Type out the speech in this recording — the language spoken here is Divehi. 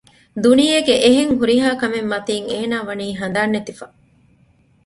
ދުނިޔޭގެ އެހެން ހުރިހާކަމެއް މަތިން އޭނާ ވަނީ ހަނދާން ނެތިފަ